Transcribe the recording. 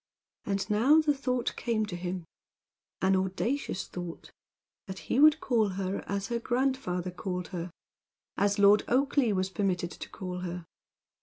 And now the thought came to him an audacious thought that he would call her as her grandfather called her; as Lord Oakleigh was permitted to call her.